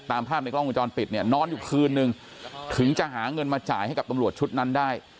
ตามภาพในกล้องวงจรปิดเนี่ยนอนอยู่คืนนึงถึงจะหาเงินมาจ่ายให้กับตำรวจชุดนั้นได้